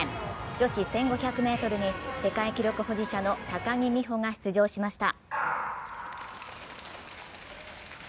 女子１５００ｍに世界記録保持者の高木美帆が出場しました。